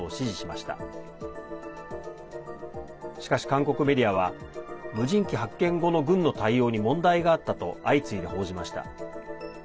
しかし、韓国メディアは無人機発見後の軍の対応に問題があったと相次いで報じました。